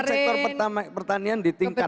saya ingin pertanian ditingkatkan